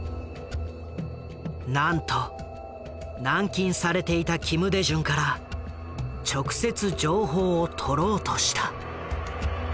なんと軟禁されていた金大中から直接情報を取ろうとした。